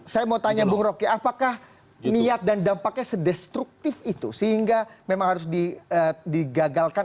saya mau tanya bung roky apakah niat dan dampaknya sedestruktif itu sehingga memang harus digagalkan